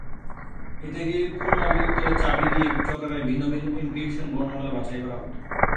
এতে একটি পুনরাবৃত্ত চাবি দিয়ে চক্রাকারে ভিন্ন ভিন্ন এনক্রিপশন বর্ণমালা বাছাই করা হত।